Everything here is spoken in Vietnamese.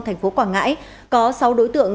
tp quảng ngãi có sáu đối tượng